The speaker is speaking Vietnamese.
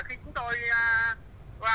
khi chúng tôi